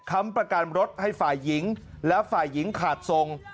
ค้ำประกันรถให้ฝ่ายหญิงและฝ่ายหญิงขาดทรง